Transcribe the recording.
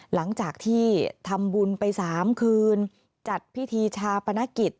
หลังจากที่ทำบุญไป๓คืนจัดพิธีชาปนกิจ